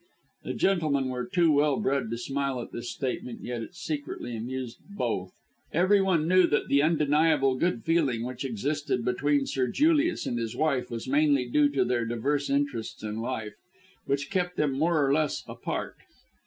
The gentlemen were too well bred to smile at this statement, yet it secretly amused both. Everyone knew that the undeniable good feeling which existed between Sir Julius and his wife was mainly due to their diverse interests in life, which kept them more or less apart.